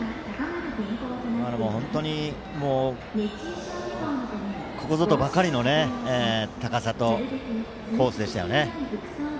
今のも本当にここぞとばかりの高さとコースでしたよね。